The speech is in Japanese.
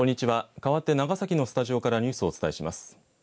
かわって長崎のスタジオからニュースをお伝えします。